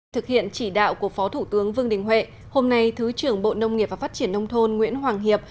thực hiện chỉ đạo của phó thủ tướng vương đình huệ hôm nay thứ trưởng bộ nông nghiệp và phát triển nông thôn nguyễn hoàng hiệp